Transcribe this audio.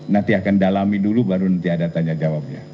nanti akan dalami dulu baru nanti ada tanya jawabnya